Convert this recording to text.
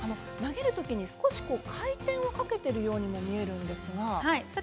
投げるときに回転をかけてるようにも見えるんですが。